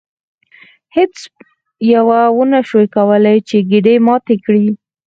هیڅ یوه ونشوای کولی چې ګېډۍ ماته کړي.